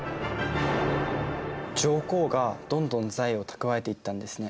上皇がどんどん財を蓄えていったんですね。